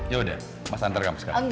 ya udah mas antar kamu sekarang